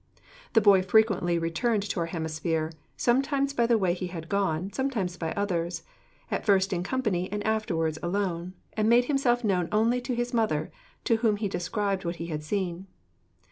The boy frequently returned to our hemisphere, sometimes by the way he had gone, sometimes by others; at first in company, and afterwards alone; and made himself known only to his mother, to whom he described what he had seen.